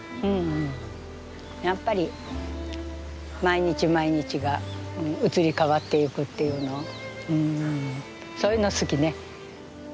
やっぱり毎日毎日が移り変わっていくっていうのうんそういうの好きね。